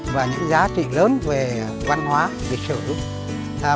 và những giá trị lớn về văn hóa về sở hữu